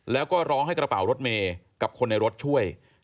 แล้วก็ร้องให้กระเป๋ารถเมย์กับคนในรถช่วย